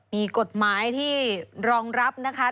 มีกฎหมายที่รองรับนะคะ